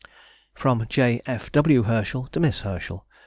FROM J. F. W. HERSCHEL TO MISS HERSCHEL.